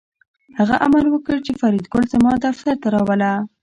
هغه امر وکړ چې فریدګل زما دفتر ته راوله